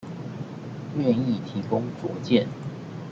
願意提供卓見